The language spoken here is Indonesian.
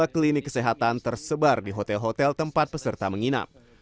dua puluh klinik kesehatan tersebar di hotel hotel tempat peserta menginap